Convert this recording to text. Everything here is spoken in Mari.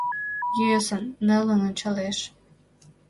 Йӧсын, нелын ончалеш